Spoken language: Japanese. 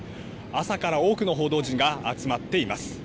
朝から多くの報道陣が集まっています。